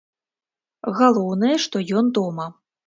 Галоўнае, што ён дома.